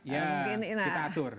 ya kita atur